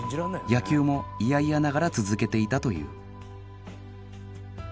野球も嫌々ながら続けていたという